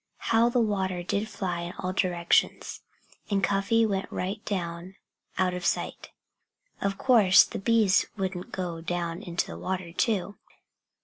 How the water did fly in all directions! And Cuffy went right down out of sight. Of course, the bees wouldn't go down into the water too.